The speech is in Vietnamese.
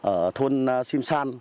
ở thôn simsan